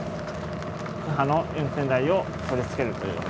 他の運転台を取り付けるという。